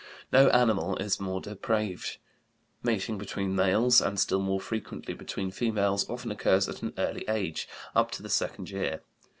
No animal is more depraved. Mating between males, and still more frequently between females, often occurs at an early age: up to the second year.